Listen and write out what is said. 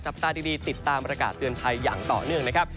ตาดีติดตามประกาศเตือนภัยอย่างต่อเนื่องนะครับ